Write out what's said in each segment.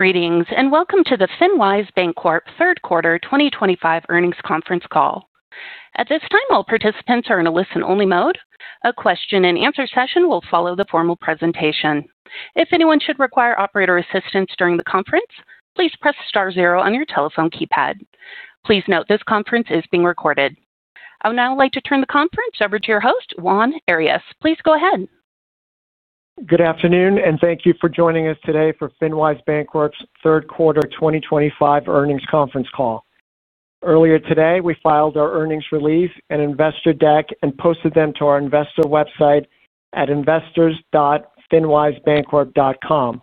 Greetings, and welcome to the FinWise Bancorp Third Quarter 2025 earnings conference call. At this time, all participants are in a listen-only mode. A question and answer session will follow the formal presentation. If anyone should require operator assistance during the conference, please press star zero on your telephone keypad. Please note this conference is being recorded. I would now like to turn the conference over to your host, Juan Arias. Please go ahead. Good afternoon, and thank you for joining us today for FinWise Bancorp's third quarter 2025 earnings conference call. Earlier today, we filed our earnings release and investor deck and posted them to our investor website at investors.finwisebancorp.com.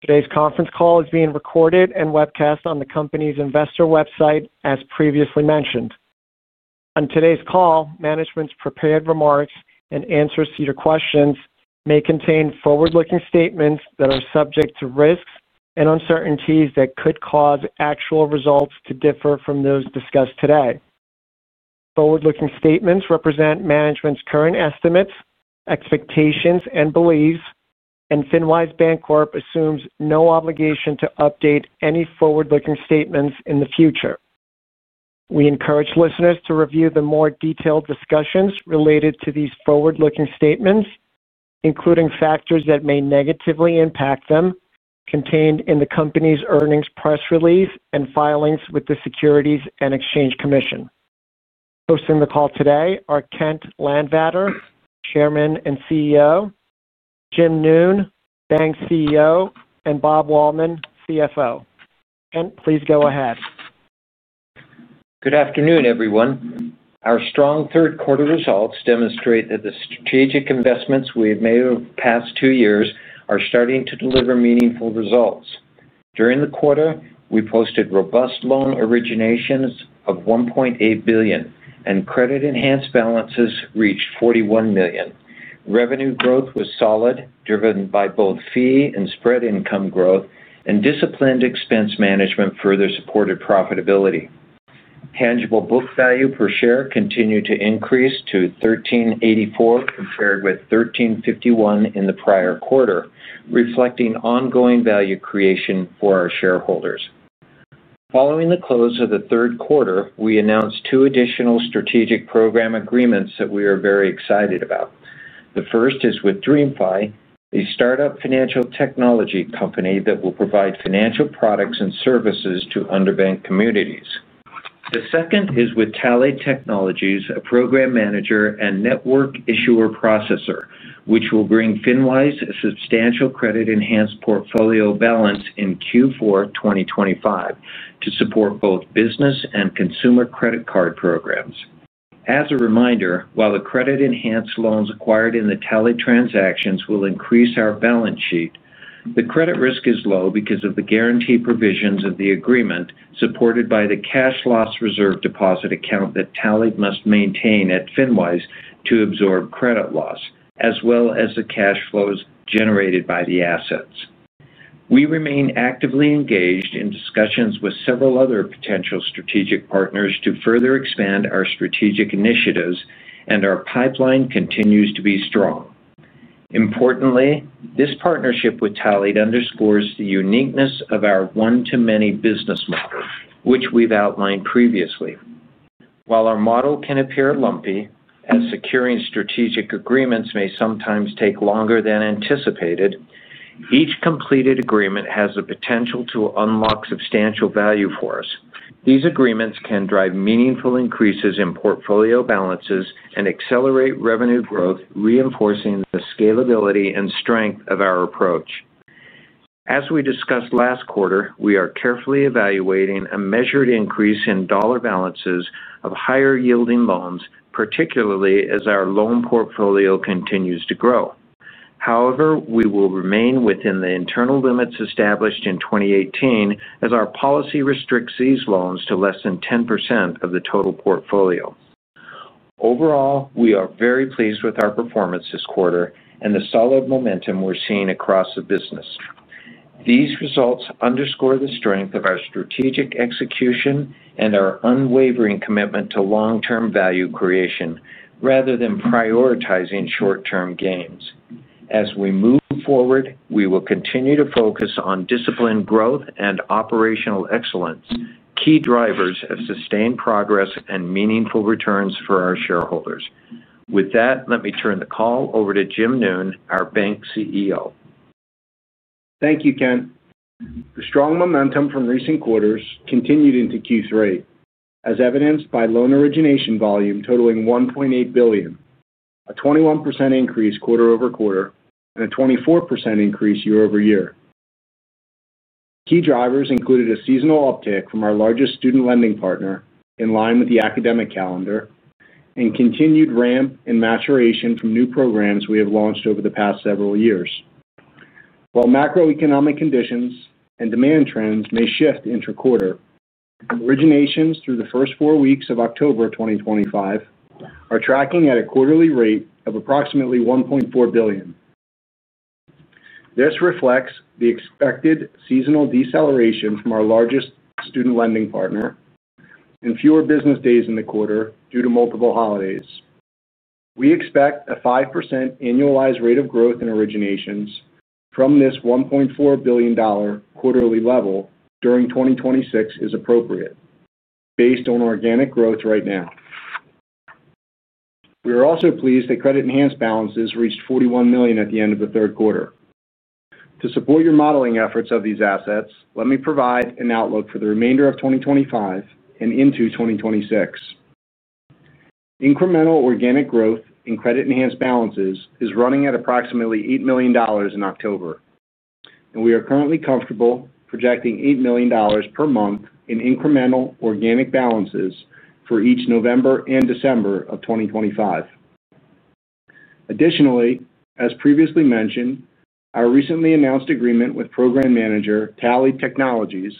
Today's conference call is being recorded and webcast on the company's investor website, as previously mentioned. On today's call, management's prepared remarks and answers to your questions may contain forward-looking statements that are subject to risks and uncertainties that could cause actual results to differ from those discussed today. Forward-looking statements represent management's current estimates, expectations, and beliefs, and FinWise Bancorp assumes no obligation to update any forward-looking statements in the future. We encourage listeners to review the more detailed discussions related to these forward-looking statements, including factors that may negatively impact them, contained in the company's earnings press release and filings with the Securities and Exchange Commission. Hosting the call today are Kent Landvatter, Chairman and CEO, Jim Noone, Bank CEO, and Bob Wahlman, CFO. Kent, please go ahead. Good afternoon, everyone. Our strong third-quarter results demonstrate that the strategic investments we have made over the past two years are starting to deliver meaningful results. During the quarter, we posted robust loan originations of $1.8 billion, and credit-enhanced balances reached $41 million. Revenue growth was solid, driven by both fee and spread income growth, and disciplined expense management further supported profitability. Tangible book value per share continued to increase to $13.84 compared with $13.51 in the prior quarter, reflecting ongoing value creation for our shareholders. Following the close of the third quarter, we announced two additional strategic program agreements that we are very excited about. The first is with DreamFi, a startup financial technology company that will provide financial products and services to underbanked communities. The second is with Tally Technologies, a program manager and network issuer processor, which will bring FinWise a substantial credit-enhanced portfolio balance in Q4 2025 to support both business and consumer credit card programs. As a reminder, while the credit-enhanced loans acquired in the Tally transactions will increase our balance sheet, the credit risk is low because of the guaranteed provisions of the agreement supported by the cash loss reserve deposit account that Tally must maintain at FinWise to absorb credit loss, as well as the cash flows generated by the assets. We remain actively engaged in discussions with several other potential strategic partners to further expand our strategic initiatives, and our pipeline continues to be strong. Importantly, this partnership with Tally underscores the uniqueness of our one-to-many business model, which we've outlined previously. While our model can appear lumpy, as securing strategic agreements may sometimes take longer than anticipated, each completed agreement has the potential to unlock substantial value for us. These agreements can drive meaningful increases in portfolio balances and accelerate revenue growth, reinforcing the scalability and strength of our approach. As we discussed last quarter, we are carefully evaluating a measured increase in dollar balances of higher-yielding loans, particularly as our loan portfolio continues to grow. However, we will remain within the internal limits established in 2018 as our policy restricts these loans to less than 10% of the total portfolio. Overall, we are very pleased with our performance this quarter and the solid momentum we're seeing across the business. These results underscore the strength of our strategic execution and our unwavering commitment to long-term value creation rather than prioritizing short-term gains. As we move forward, we will continue to focus on disciplined growth and operational excellence, key drivers of sustained progress and meaningful returns for our shareholders. With that, let me turn the call over to Jim Noone, our Bank CEO. Thank you, Kent. The strong momentum from recent quarters continued into Q3, as evidenced by loan origination volume totaling $1.8 billion, a 21% increase quarter over quarter, and a 24% increase year over year. Key drivers included a seasonal uptick from our largest student lending partner in line with the academic calendar and continued ramp in maturation from new programs we have launched over the past several years. While macroeconomic conditions and demand trends may shift interquarter, originations through the first four weeks of October 2025 are tracking at a quarterly rate of approximately $1.4 billion. This reflects the expected seasonal deceleration from our largest student lending partner and fewer business days in the quarter due to multiple holidays. We expect a 5% annualized rate of growth in originations from this $1.4 billion quarterly level during 2026 is appropriate, based on organic growth right now. We are also pleased that credit-enhanced balances reached $41 million at the end of the third quarter. To support your modeling efforts of these assets, let me provide an outlook for the remainder of 2025 and into 2026. Incremental organic growth in credit-enhanced balances is running at approximately $8 million in October, and we are currently comfortable projecting $8 million per month in incremental organic balances for each November and December of 2025. Additionally, as previously mentioned, our recently announced agreement with program manager Tally Technologies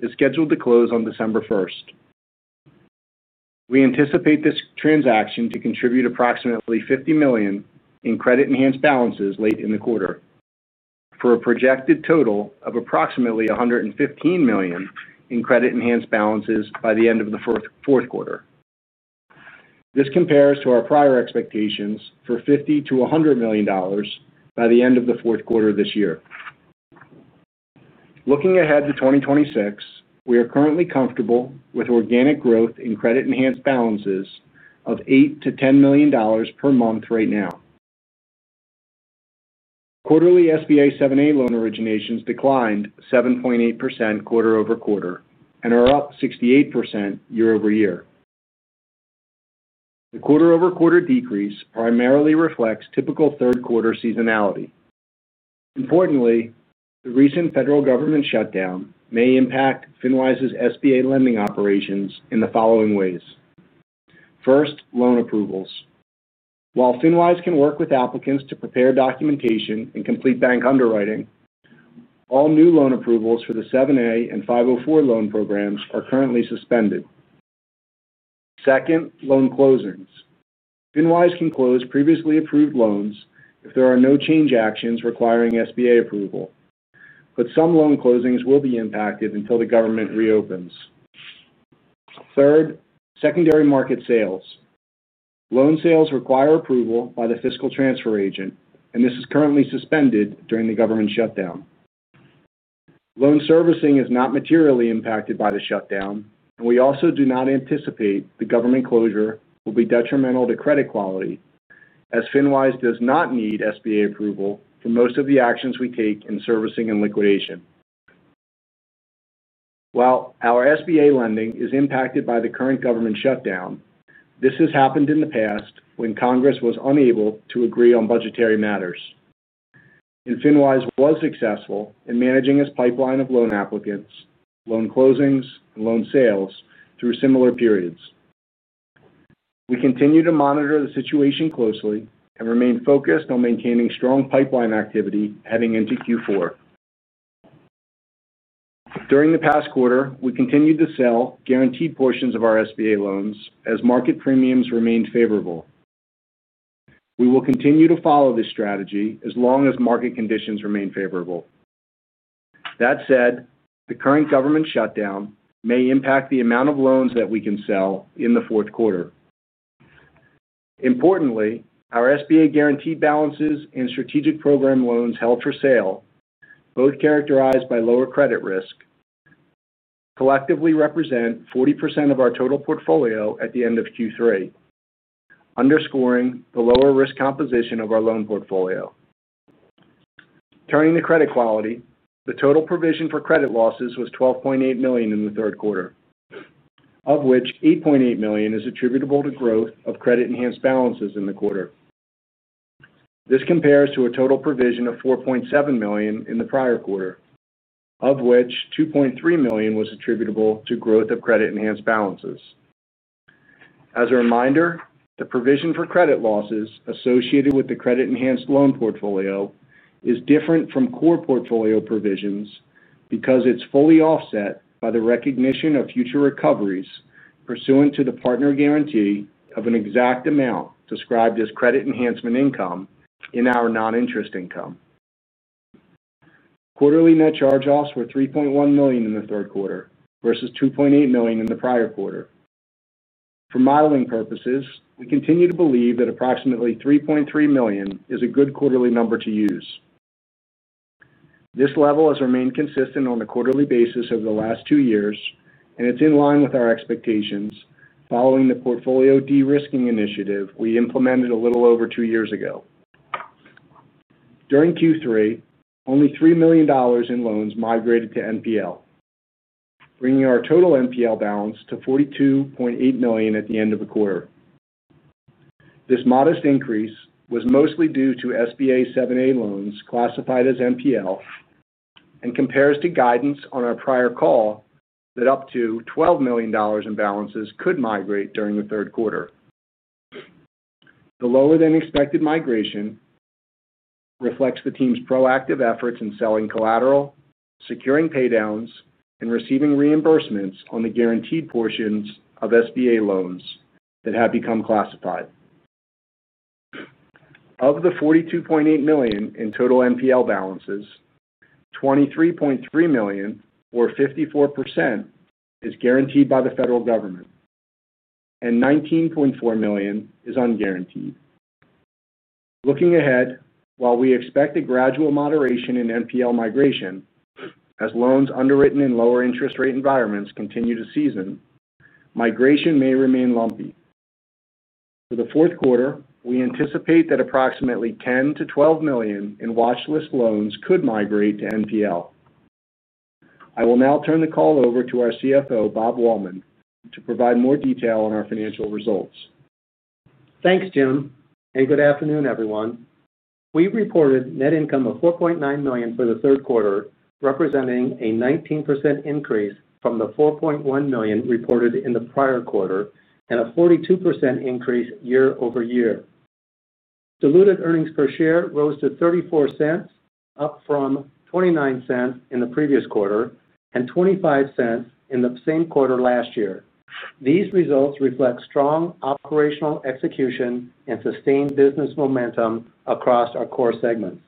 is scheduled to close on December 1st. We anticipate this transaction to contribute approximately $50 million in credit-enhanced balances late in the quarter, for a projected total of approximately $115 million in credit-enhanced balances by the end of the fourth quarter. This compares to our prior expectations for $50 million-$100 million by the end of the fourth quarter of this year. Looking ahead to 2026, we are currently comfortable with organic growth in credit-enhanced balances of $8 million-$10 million per month right now. Quarterly SBA 7(a) loan originations declined 7.8% quarter over quarter and are up 68% year-over-year. The quarter over quarter decrease primarily reflects typical third-quarter seasonality. Importantly, the recent federal government shutdown may impact FinWise's SBA lending operations in the following ways: First, loan approvals. While FinWise can work with applicants to prepare documentation and complete bank underwriting, all new loan approvals for the SBA 7(a) and 504 loan programs are currently suspended. Second, loan closings. FinWise can close previously approved loans if there are no change actions requiring SBA approval, but some loan closings will be impacted until the government reopens. Third, secondary market sales. Loan sales require approval by the fiscal transfer agent, and this is currently suspended during the government shutdown. Loan servicing is not materially impacted by the shutdown, and we also do not anticipate the government closure will be detrimental to credit quality, as FinWise does not need SBA approval for most of the actions we take in servicing and liquidation. While our SBA lending is impacted by the current government shutdown, this has happened in the past when Congress was unable to agree on budgetary matters, and FinWise was successful in managing its pipeline of loan applicants, loan closings, and loan sales through similar periods. We continue to monitor the situation closely and remain focused on maintaining strong pipeline activity heading into Q4. During the past quarter, we continued to sell guaranteed portions of our SBA loans as market premiums remained favorable. We will continue to follow this strategy as long as market conditions remain favorable. That said, the current government shutdown may impact the amount of loans that we can sell in the fourth quarter. Importantly, our SBA guaranteed balances and strategic program loans held for sale, both characterized by lower credit risk, collectively represent 40% of our total portfolio at the end of Q3, underscoring the lower risk composition of our loan portfolio. Turning to credit quality, the total provision for credit losses was $12.8 million in the third quarter, of which $8.8 million is attributable to growth of credit-enhanced balances in the quarter. This compares to a total provision of $4.7 million in the prior quarter, of which $2.3 million was attributable to growth of credit-enhanced balances. As a reminder, the provision for credit losses associated with the credit-enhanced loan portfolio is different from core portfolio provisions because it's fully offset by the recognition of future recoveries pursuant to the partner guarantee of an exact amount described as credit enhancement income in our non-interest income. Quarterly net charge-offs were $3.1 million in the third quarter versus $2.8 million in the prior quarter. For modeling purposes, we continue to believe that approximately $3.3 million is a good quarterly number to use. This level has remained consistent on a quarterly basis over the last two years, and it's in line with our expectations following the portfolio de-risking initiative we implemented a little over two years ago. During Q3, only $3 million in loans migrated to NPL, bringing our total NPL balance to $42.8 million at the end of the quarter. This modest increase was mostly due to SBA 7(a) loans classified as NPL and compares to guidance on our prior call that up to $12 million in balances could migrate during the third quarter. The lower-than-expected migration reflects the team's proactive efforts in selling collateral, securing paydowns, and receiving reimbursements on the guaranteed portions of SBA loans that have become classified. Of the $42.8 million in total NPL balances, $23.3 million, or 54%, is guaranteed by the federal government, and $19.4 million is unguaranteed. Looking ahead, while we expect a gradual moderation in NPL migration, as loans underwritten in lower interest rate environments continue to season, migration may remain lumpy. For the fourth quarter, we anticipate that approximately $10 million-$12 million in watchlist loans could migrate to NPL. I will now turn the call over to our CFO, Bob Wahlman, to provide more detail on our financial results. Thanks, Jim, and good afternoon, everyone. We reported net income of $4.9 million for the third quarter, representing a 19% increase from the $4.1 million reported in the prior quarter and a 42% increase year-over-year. Diluted earnings per share rose to $0.34, up from $0.29 in the previous quarter and $0.25 in the same quarter last year. These results reflect strong operational execution and sustained business momentum across our core segments.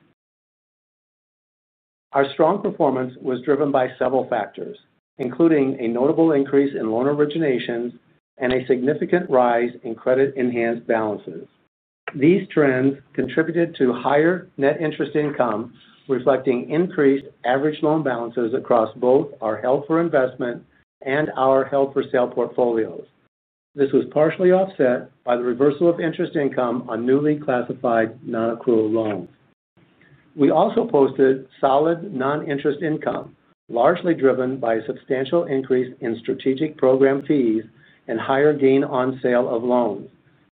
Our strong performance was driven by several factors, including a notable increase in loan originations and a significant rise in credit-enhanced balances. These trends contributed to higher net interest income, reflecting increased average loan balances across both our held-for-investment and our held-for-sale portfolios. This was partially offset by the reversal of interest income on newly classified non-accrual loans. We also posted solid non-interest income, largely driven by a substantial increase in strategic program fees and higher gain on sale of loans.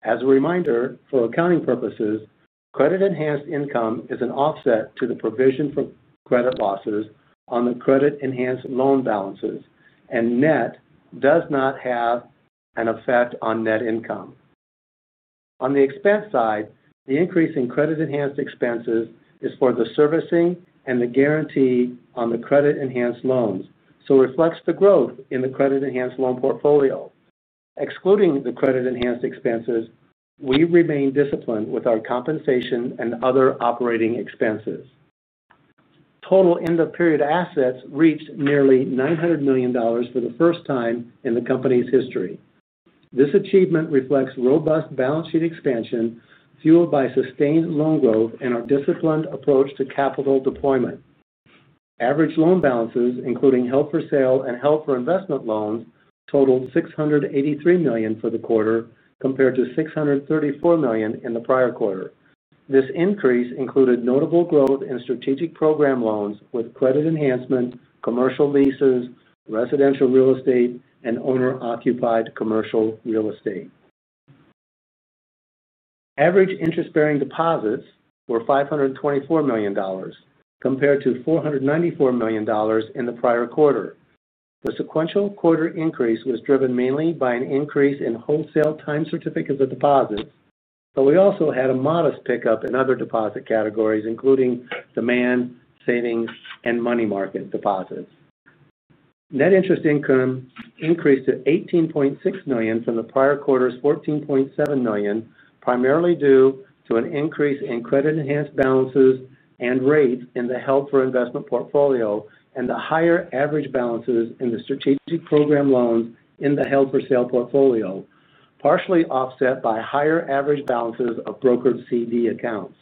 As a reminder, for accounting purposes, credit-enhanced income is an offset to the provision for credit losses on the credit-enhanced loan balances, and net does not have an effect on net income. On the expense side, the increase in credit-enhanced expenses is for the servicing and the guarantee on the credit-enhanced loans, so it reflects the growth in the credit-enhanced loan portfolio. Excluding the credit-enhanced expenses, we remain disciplined with our compensation and other operating expenses. Total end-of-period assets reached nearly $900 million for the first time in the company's history. This achievement reflects robust balance sheet expansion fueled by sustained loan growth and our disciplined approach to capital deployment. Average loan balances, including held-for-sale and held-for-investment loans, totaled $683 million for the quarter, compared to $634 million in the prior quarter. This increase included notable growth in strategic program loans with credit enhancement, commercial leases, residential real estate, and owner-occupied commercial real estate. Average interest-bearing deposits were $524 million, compared to $494 million in the prior quarter. The sequential quarter increase was driven mainly by an increase in wholesale time certificates of deposits, but we also had a modest pickup in other deposit categories, including demand, savings, and money market deposits. Net interest income increased to $18.6 million from the prior quarter's $14.7 million, primarily due to an increase in credit-enhanced balances and rates in the held-for-investment portfolio and the higher average balances in the strategic program loans in the held-for-sale portfolio, partially offset by higher average balances of brokered CD accounts.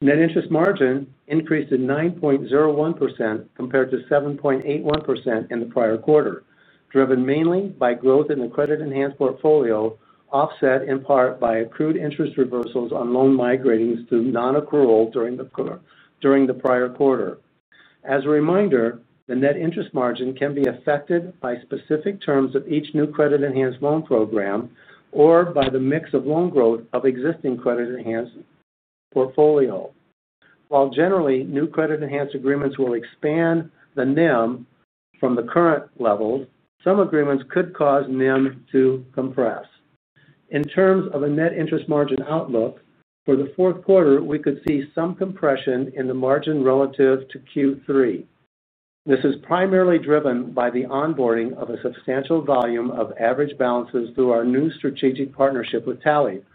Net interest margin increased to 9.01% compared to 7.81% in the prior quarter, driven mainly by growth in the credit-enhanced portfolio, offset in part by accrued interest reversals on loan migrations to non-accrual during the prior quarter. As a reminder, the net interest margin can be affected by specific terms of each new credit-enhanced loan program or by the mix of loan growth of existing credit-enhanced portfolios. While generally, new credit-enhanced agreements will expand the NIM from the current levels, some agreements could cause NIM to compress. In terms of a net interest margin outlook for the fourth quarter, we could see some compression in the margin relative to Q3. This is primarily driven by the onboarding of a substantial volume of average balances through our new strategic partnership with Tally Technologies.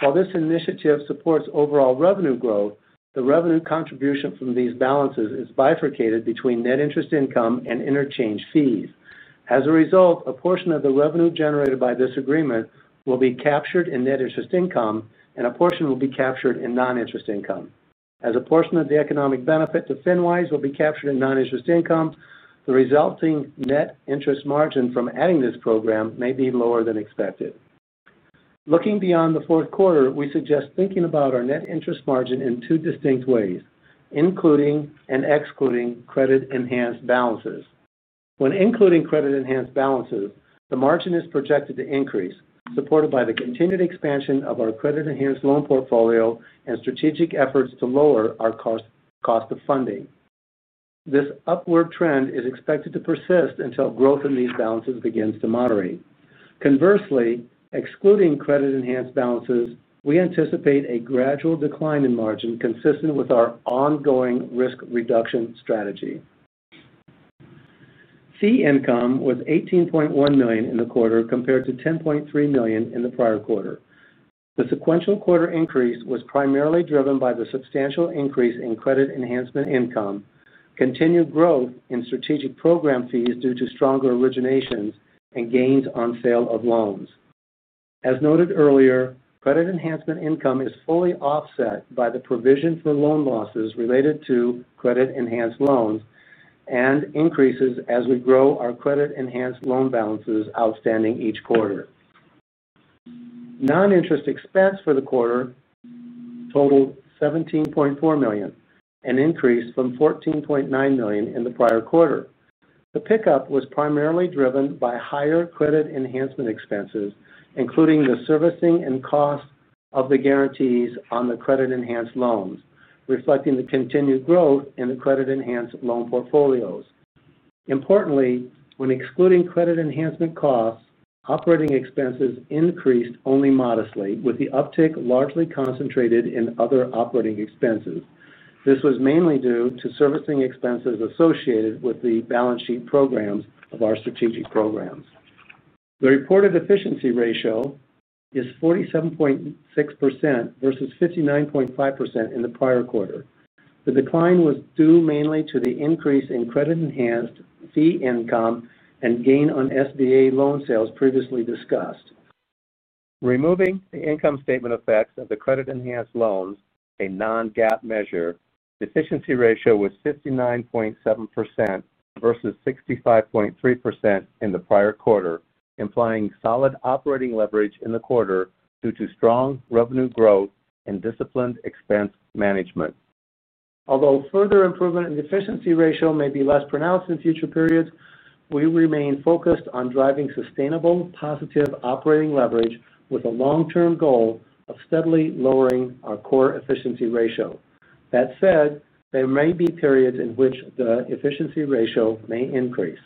While this initiative supports overall revenue growth, the revenue contribution from these balances is bifurcated between net interest income and interchange fees. As a result, a portion of the revenue generated by this agreement will be captured in net interest income, and a portion will be captured in non-interest income. As a portion of the economic benefit to FinWise Bancorp will be captured in non-interest income, the resulting net interest margin from adding this program may be lower than expected. Looking beyond the fourth quarter, we suggest thinking about our net interest margin in two distinct ways, including and excluding credit-enhanced balances. When including credit-enhanced balances, the margin is projected to increase, supported by the continued expansion of our credit-enhanced loan portfolio and strategic efforts to lower our cost of funding. This upward trend is expected to persist until growth in these balances begins to moderate. Conversely, excluding credit-enhanced balances, we anticipate a gradual decline in margin, consistent with our ongoing risk reduction strategy. Fee income was $18.1 million in the quarter, compared to $10.3 million in the prior quarter. The sequential quarter increase was primarily driven by the substantial increase in credit enhancement income, continued growth in strategic program fees due to stronger originations and gains on sale of loans. As noted earlier, credit enhancement income is fully offset by the provision for loan losses related to credit-enhanced loans and increases as we grow our credit-enhanced loan balances outstanding each quarter. Non-interest expense for the quarter totaled $17.4 million, an increase from $14.9 million in the prior quarter. The pickup was primarily driven by higher credit enhancement expenses, including the servicing and cost of the guarantees on the credit-enhanced loans, reflecting the continued growth in the credit-enhanced loan portfolios. Importantly, when excluding credit enhancement costs, operating expenses increased only modestly, with the uptick largely concentrated in other operating expenses. This was mainly due to servicing expenses associated with the balance sheet programs of our strategic programs. The reported efficiency ratio is 47.6% versus 59.5% in the prior quarter. The decline was due mainly to the increase in credit-enhanced fee income and gain on SBA loan sales previously discussed. Removing the income statement effects of the credit-enhanced loans, a non-GAAP measure, the efficiency ratio was 59.7% versus 65.3% in the prior quarter, implying solid operating leverage in the quarter due to strong revenue growth and disciplined expense management. Although further improvement in the efficiency ratio may be less pronounced in future periods, we remain focused on driving sustainable, positive operating leverage with a long-term goal of steadily lowering our core efficiency ratio. That said, there may be periods in which the efficiency ratio may increase.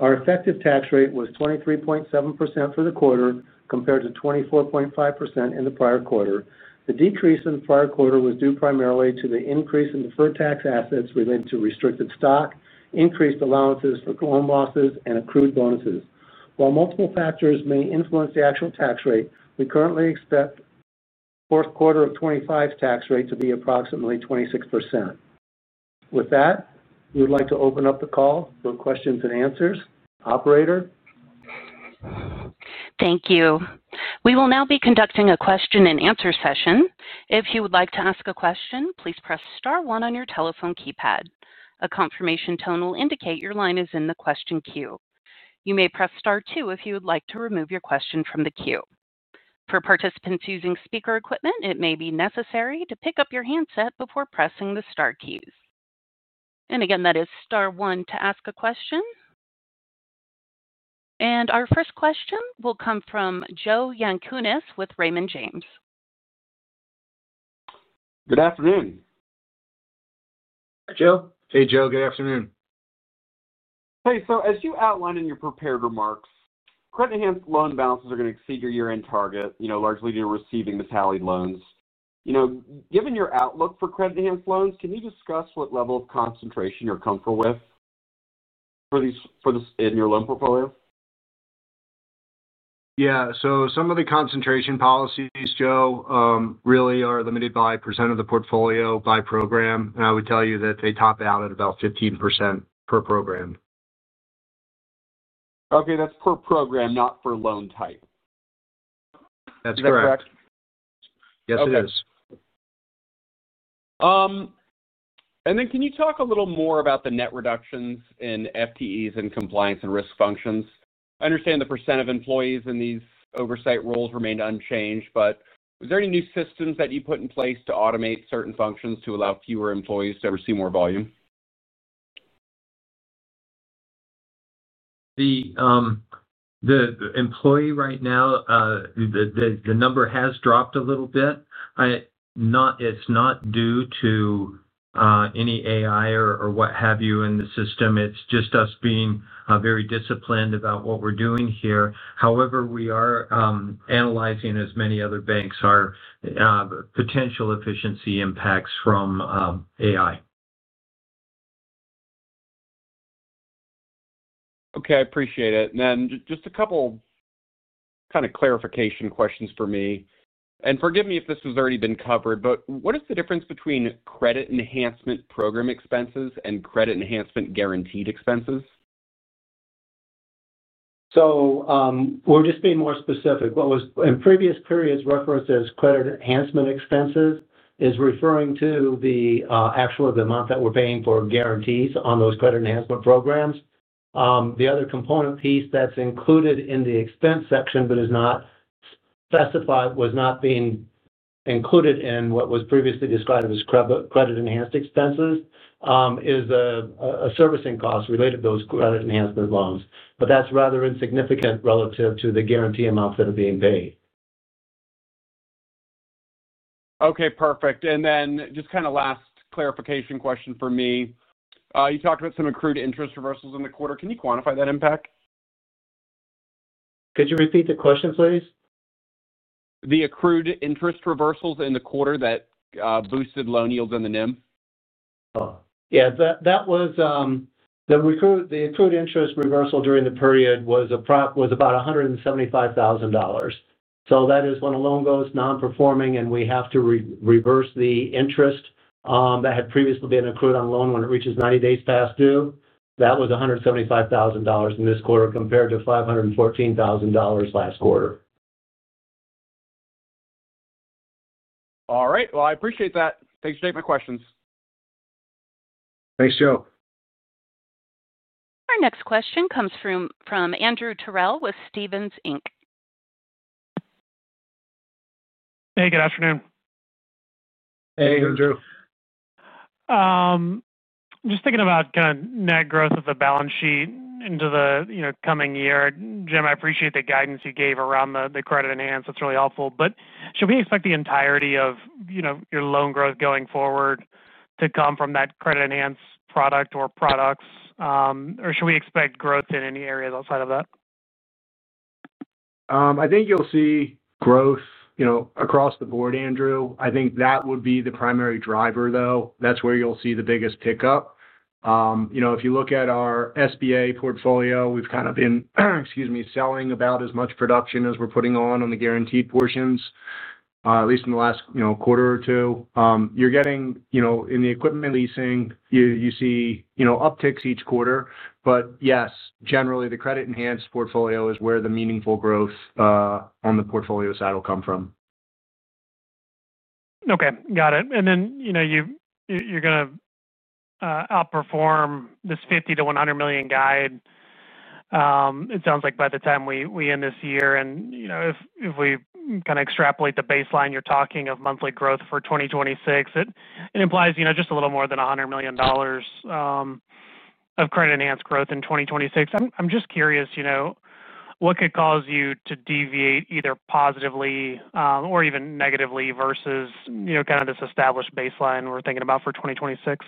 Our effective tax rate was 23.7% for the quarter, compared to 24.5% in the prior quarter. The decrease in the prior quarter was due primarily to the increase in deferred tax assets related to restricted stock, increased allowances for loan losses, and accrued bonuses. While multiple factors may influence the actual tax rate, we currently expect the fourth quarter of 2025's tax rate to be approximately 26%. With that, we would like to open up the call for questions and answers. Operator? Thank you. We will now be conducting a question and answer session. If you would like to ask a question, please press star one on your telephone keypad. A confirmation tone will indicate your line is in the question queue. You may press star two if you would like to remove your question from the queue. For participants using speaker equipment, it may be necessary to pick up your handset before pressing the star keys. That is star one to ask a question. Our first question will come from Joe Yanchunis with Raymond James. Good afternoon. Hi, Joe. Hey, Joe. Good afternoon. Hey, as you outlined in your prepared remarks, credit-enhanced loan balances are going to exceed your year-end target, largely due to receiving the Tally loans. Given your outlook for credit-enhanced loans, can you discuss what level of concentration you're comfortable with for these in your loan portfolio? Some of the concentration policies, Joe, really are limited by percentage of the portfolio by program, and I would tell you that they top out at about 15% per program. Okay, that's per program, not per loan type. That's correct. Yes, it is. Okay. Can you talk a little more about the net reductions in FTEs and compliance and risk functions? I understand the percentage of employees in these oversight roles remained unchanged, but is there any new systems that you put in place to automate certain functions to allow fewer employees to oversee more volume? The employee right now, the number has dropped a little bit. It's not due to any AI or what have you in the system. It's just us being very disciplined about what we're doing here. However, we are analyzing, as many other banks, our potential efficiency impacts from AI. Okay, I appreciate it. Just a couple kind of clarification questions for me. Forgive me if this has already been covered, but what is the difference between credit enhancement program expenses and credit enhancement guaranteed expenses? We're just being more specific. What was in previous periods referenced as credit enhancement expenses is referring to the actual amount that we're paying for guarantees on those credit enhancement programs. The other component piece that's included in the expense section, but is not specified, was not being included in what was previously described as credit enhanced expenses, is a servicing cost related to those credit enhancement loans. That's rather insignificant relative to the guarantee amounts that are being paid. Okay, perfect. Just kind of last clarification question for me. You talked about some accrued interest reversals in the quarter. Can you quantify that impact? Could you repeat the question, please? The accrued interest reversals in the quarter that boosted loan yields in the NIM. Oh, yeah, that was the accrued interest reversal during the period, it was about $175,000. That is when a loan goes non-performing and we have to reverse the interest that had previously been accrued on a loan when it reaches 90 days past due. That was $175,000 in this quarter compared to $514,000 last quarter. All right. I appreciate that. Thanks for taking my questions. Thanks, Joe. Our next question comes from Andrew Terrell with Stephens Inc. Hey, good afternoon. Hey, Andrew. I'm just thinking about kind of net growth of the balance sheet into the coming year. Jim, I appreciate the guidance you gave around the credit enhanced. That's really helpful. Should we expect the entirety of your loan growth going forward to come from that credit enhanced product or products? Should we expect growth in any areas outside of that? I think you'll see growth across the board, Andrew. I think that would be the primary driver, though. That's where you'll see the biggest pickup. If you look at our SBA portfolio, we've been selling about as much production as we're putting on the guaranteed portions, at least in the last quarter or two. In the equipment leasing, you see upticks each quarter. Yes, generally, the credit-enhanced portfolio is where the meaningful growth on the portfolio side will come from. Okay, got it. You're going to outperform this $50 million-$100 million guide, it sounds like, by the time we end this year. If we kind of extrapolate the baseline, you're talking of monthly growth for 2026. It implies just a little more than $100 million of credit-enhanced growth in 2026. I'm just curious, what could cause you to deviate either positively or even negatively versus this established baseline we're thinking about for 2026?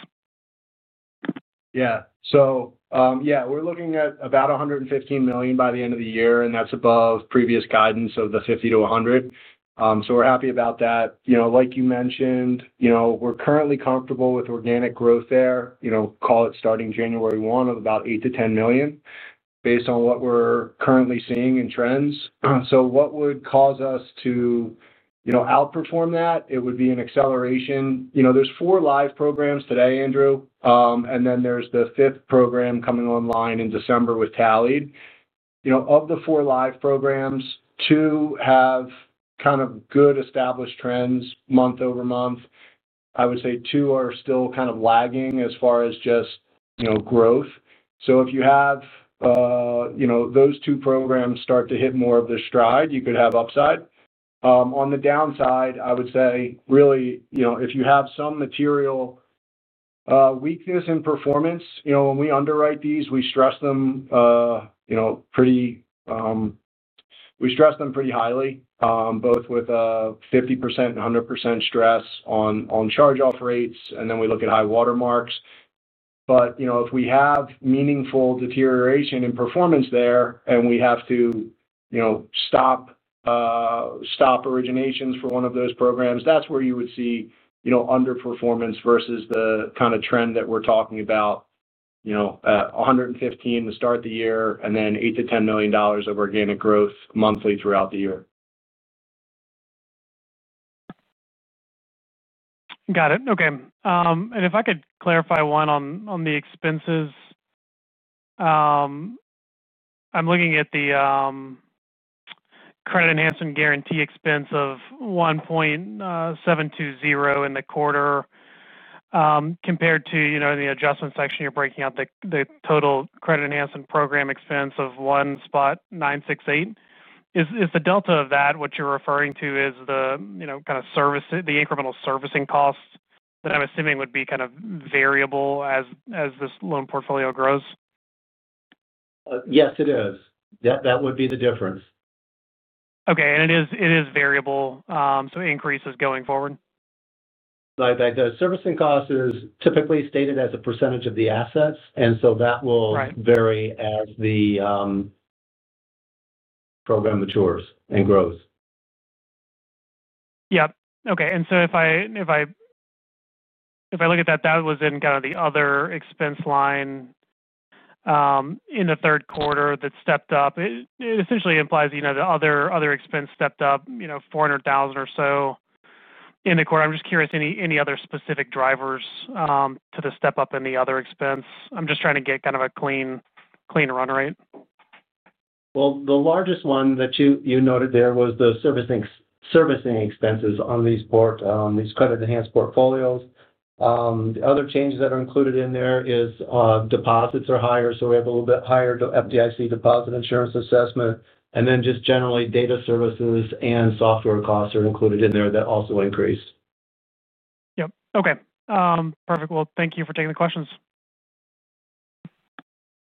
Yeah. We're looking at about $115 million by the end of the year, and that's above previous guidance of the $50 million-$100 million. We're happy about that. You know, like you mentioned, we're currently comfortable with organic growth there. Call it starting January 1 of about $8 million-$10 million, based on what we're currently seeing in trends. What would cause us to outperform that? It would be an acceleration. There are four live programs today, Andrew. There's the fifth program coming online in December with Tally. Of the four live programs, two have kind of good established trends month over month. I would say two are still kind of lagging as far as just growth. If you have those two programs start to hit more of their stride, you could have upside. On the downside, I would say really, if you have some material weakness in performance, when we underwrite these, we stress them pretty highly, both with a 50% and 100% stress on charge-off rates, and then we look at high watermarks. If we have meaningful deterioration in performance there, and we have to stop originations for one of those programs, that's where you would see underperformance versus the kind of trend that we're talking about, at $115 million to start the year and then $8 million-$10 million of organic growth monthly throughout the year. Got it. Okay. If I could clarify one on the expenses, I'm looking at the credit enhancement guarantee expense of $1.720 million in the quarter compared to, you know, in the adjustment section, you're breaking out the total credit enhancement program expense of $1.968 million. Is the delta of that what you're referring to as the, you know, kind of service, the incremental servicing costs that I'm assuming would be kind of variable as this loan portfolio grows? Yes, it is. That would be the difference. Okay. It is variable, so increases going forward? The servicing cost is typically stated as a percentage of the assets, and that will vary as the program matures and grows. Okay. If I look at that, that was in kind of the other expense line in the third quarter that stepped up. It essentially implies the other expense stepped up $400,000 or so in the quarter. I'm just curious, any other specific drivers to the step up in the other expense? I'm just trying to get kind of a clean run rate. The largest one that you noted there was the servicing expenses on these credit-enhanced portfolios. The other changes that are included in there are deposits are higher, so we have a little bit higher FDIC deposit insurance assessment. Just generally, data services and software costs are included in there that also increase. Yep. Okay. Perfect. Thank you for taking the questions.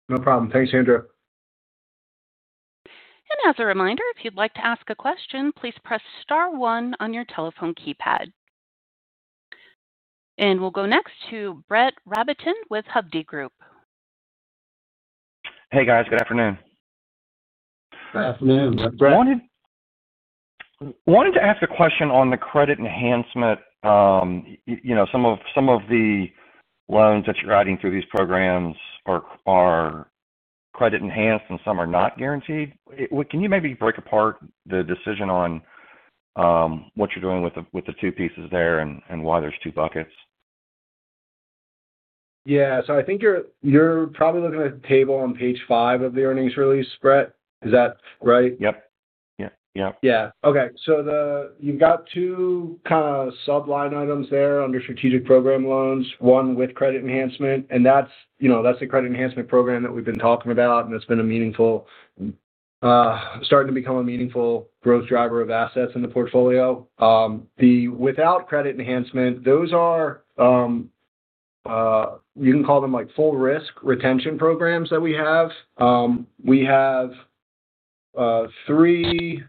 No problem. Thanks, Andrew. As a reminder, if you'd like to ask a question, please press *1 on your telephone keypad. We'll go next to Brett Rabatin with Hovde Group. Hey, guys. Good afternoon. Good afternoon. Brett? Morning. Wanted to ask a question on the credit enhancement. Some of the loans that you're adding through these programs are credit-enhanced and some are not guaranteed. Can you maybe break apart the decision on what you're doing with the two pieces there and why there's two buckets? Yeah. I think you're probably looking at the table on page five of the earnings release, Brett. Is that right? Yep. Yeah. Okay. So you've got two kind of subline items there under strategic program loans, one with credit enhancement. That's the credit enhancement program that we've been talking about, and it's been a meaningful, starting to become a meaningful growth driver of assets in the portfolio. The without credit enhancement, those are, you can call them like full risk retention programs that we have. We have three,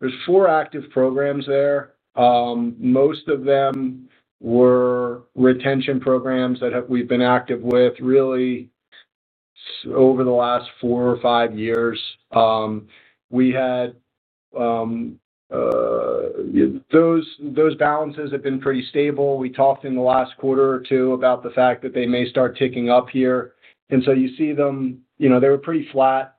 there's four active programs there. Most of them were retention programs that we've been active with really over the last four or five years. Those balances have been pretty stable. We talked in the last quarter or two about the fact that they may start ticking up here. You see them, they were pretty flat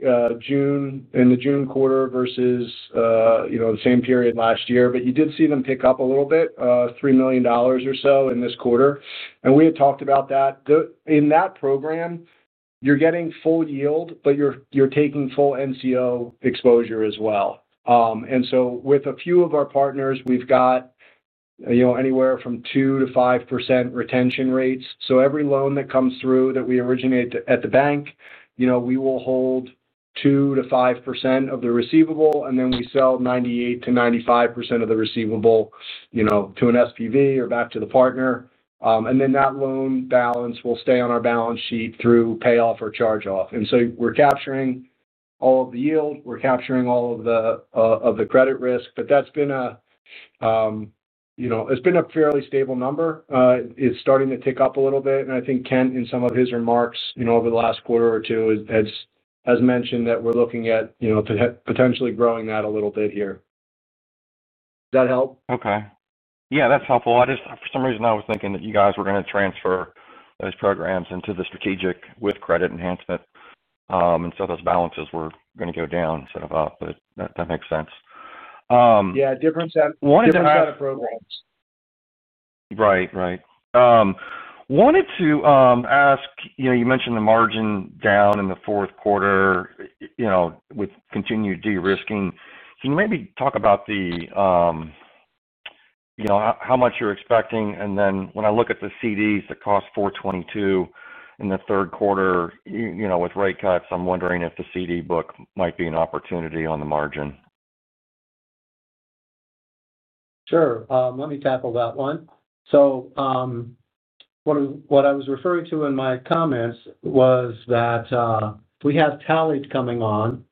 in the June quarter versus the same period last year. You did see them pick up a little bit, $3 million or so in this quarter. We had talked about that. In that program, you're getting full yield, but you're taking full NCO exposure as well. With a few of our partners, we've got anywhere from 2%-5% retention rates. Every loan that comes through that we originate at the bank, we will hold 2%-5% of the receivable, and then we sell 98%-95% of the receivable to an SPV or back to the partner. That loan balance will stay on our balance sheet through payoff or charge-off. We're capturing all of the yield. We're capturing all of the credit risk. That's been a fairly stable number. It's starting to tick up a little bit. I think Kent, in some of his remarks over the last quarter or two, has mentioned that we're looking at potentially growing that a little bit here. Does that help? Okay. Yeah, that's helpful. I just, for some reason, was thinking that you guys were going to transfer those programs into the strategic with credit enhancement, and so those balances were going to go down instead of up, but that makes sense. Yeah, different set of programs. Right, right. Wanted to ask, you mentioned the margin down in the fourth quarter with continued de-risking. Can you maybe talk about how much you're expecting? When I look at the CDs that cost $422 in the third quarter, with rate cuts, I'm wondering if the CD book might be an opportunity on the margin. Sure. Let me tackle that one. What I was referring to in my comments was that we have Tally Technologies coming on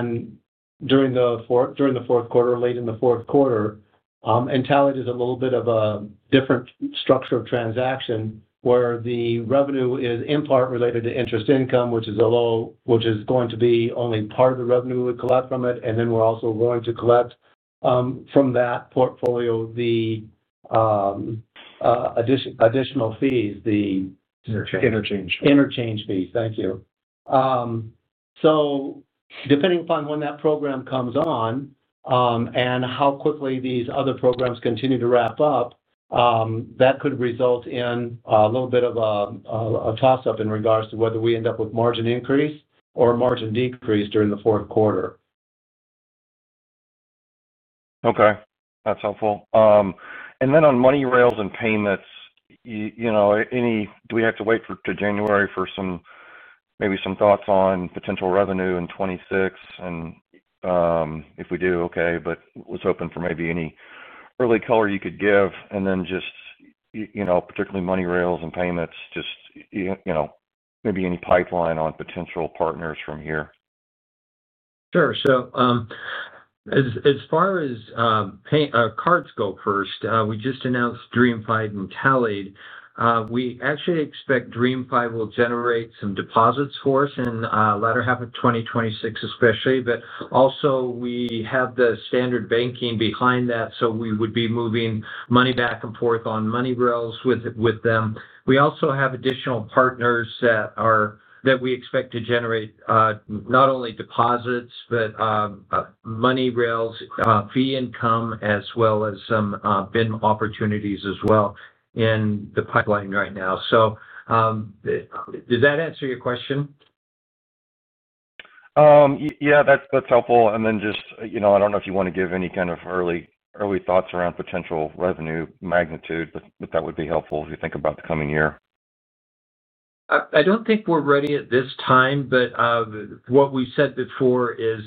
during the fourth quarter, late in the fourth quarter. Tally Technologies is a little bit of a different structure of transaction where the revenue is in part related to interest income, which is low, which is going to be only part of the revenue we collect from it. We're also going to collect from that portfolio the additional fees. Interchange fees. Thank you. Depending upon when that program comes on and how quickly these other programs continue to wrap up, that could result in a little bit of a toss-up in regards to whether we end up with margin increase or margin decrease during the fourth quarter. Okay, that's helpful. On MoneyRails and payments, do we have to wait for January for maybe some thoughts on potential revenue in 2026? If we do, okay, but was hoping for maybe any early color you could give. Particularly MoneyRails and payments, maybe any pipeline on potential partners from here. Sure. As far as card scope first, we just announced DreamFi and Tally Technologies. We actually expect DreamFi will generate some deposits for us in the latter half of 2026, especially. We also have the standard banking behind that, so we would be moving money back and forth on money rails with them. We also have additional partners that we expect to generate not only deposits, but money rails, fee income, as well as some BIN Sponsorship opportunities as well in the pipeline right now. Does that answer your question? Yeah, that's helpful. I don't know if you want to give any kind of early thoughts around potential revenue magnitude, but that would be helpful if you think about the coming year. I don't think we're ready at this time, but what we said before is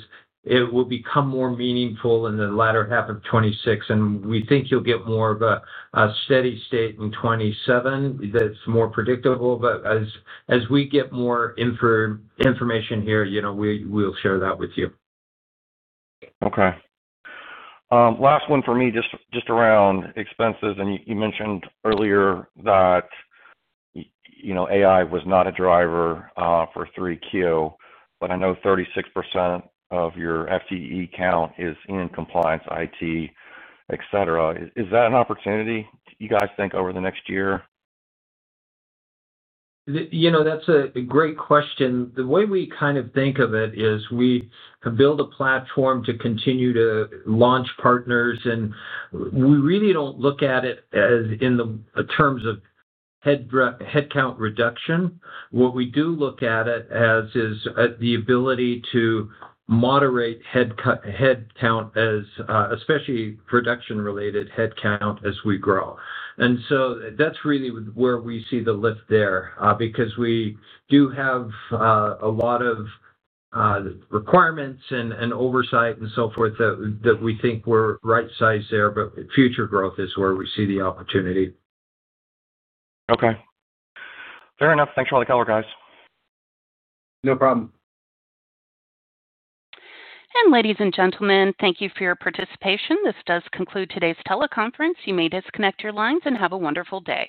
it will become more meaningful in the latter half of 2026. We think you'll get more of a steady state in 2027 that's more predictable. As we get more information here, you know, we'll share that with you. Okay. Last one for me, just around expenses. You mentioned earlier that, you know, AI was not a driver for 3Q, but I know 36% of your FTE count is in compliance, IT, etc. Is that an opportunity, you guys think, over the next year? You know. That's a great question. The way we kind of think of it is we build a platform to continue to launch partners. We really don't look at it as in the terms of headcount reduction. What we do look at it as is the ability to moderate headcount, especially production-related headcount, as we grow. That's really where we see the lift there because we do have a lot of requirements and oversight and so forth. We think we're right-sized there, but future growth is where we see the opportunity. Okay. Fair enough. Thanks for all the color, guys. No problem. Ladies and gentlemen, thank you for your participation. This does conclude today's teleconference. You may disconnect your lines and have a wonderful day.